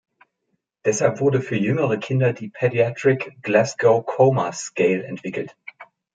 Deshalb wurde für jüngere Kinder die Pediatric Glasgow Coma Scale entwickelt.